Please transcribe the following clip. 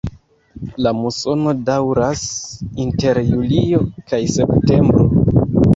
La musono daŭras inter julio kaj septembro.